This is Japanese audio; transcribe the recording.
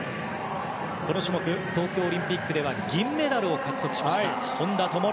この種目東京オリンピックでは銀メダルを獲得しました本多灯。